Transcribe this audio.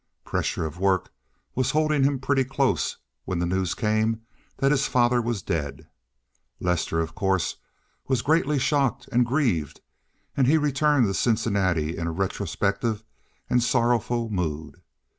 Pressure of work was holding him pretty close when the news came that his father was dead. Lester, of course, was greatly shocked and grieved, and he returned to Cincinnati in a retrospective and sorrowful mood.